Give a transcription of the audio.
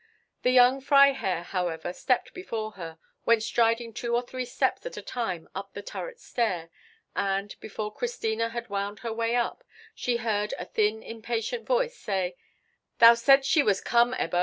The younger Freiherr, however, stepped before her, went striding two or three steps at a time up the turret stair, and, before Christina had wound her way up, she heard a thin, impatient voice say, "Thou saidst she was come, Ebbo."